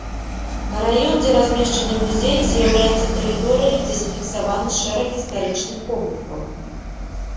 Раён, дзе размешчаны музей з'яўляецца тэрыторыяй, дзе зафіксаваны шэраг гістарычных помнікаў.